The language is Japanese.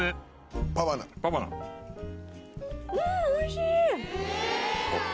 おいしい。